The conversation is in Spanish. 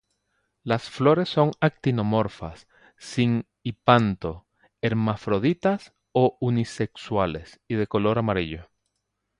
Las flores son actinomorfas, sin hipanto, hermafroditas o unisexuales, y de color amarillo.